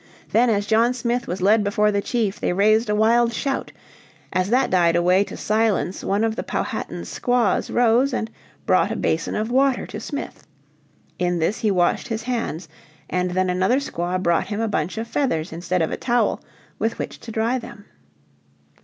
Then as John Smith was led before the chief they raised a wild shout. As that died away to silence one of the Powhatan's squaws rose and brought a basin of water to Smith. In this he washed his hands, and then another squaw brought him a bunch of feathers instead of a towel, with which to dry them.